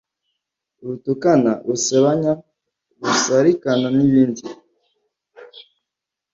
rutukana, rusebanya, rusarikana n’ibindi.